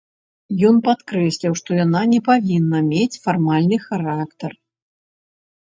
Ён падкрэсліў, што яна не павінна мець фармальны характар.